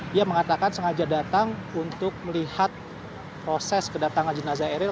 dia mengatakan sengaja datang untuk melihat proses kedatangan jenazah eril